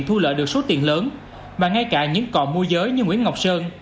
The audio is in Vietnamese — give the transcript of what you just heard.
thu lễ được số tiền lớn mà ngay cả những cọ mua giới như nguyễn ngọc sơn